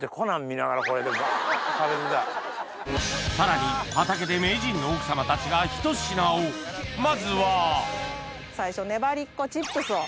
さらに畑で名人の奥様たちがひと品をまずは最初ねばりっこチップスを。